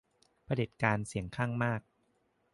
เผด็จการเสียงข้างมาก